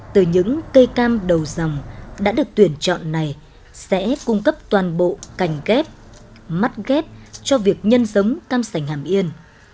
từ những cây cam đầu dòng đã được tuyển chọn này sẽ cung cấp toàn bộ cành ghép mắt ghép cho việc nhân giống cam sành hàm yên